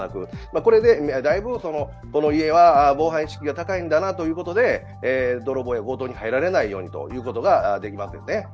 これでだいぶ、この家は防犯意識が高いんだなということで泥棒や強盗に入られないようにということができますよね。